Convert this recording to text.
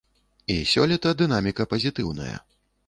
І сёлета дынаміка пазітыўная.